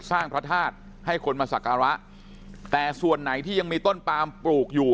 สร้างพระธาตุให้คนมาสักการะแต่ส่วนไหนที่ยังมีต้นปามปลูกอยู่